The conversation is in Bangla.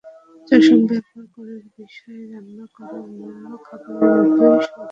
চামচ ব্যবহার করার বিষয়ে রান্না করা অন্যান্য খাবারের মতোই সতর্কতা প্রয়োজন।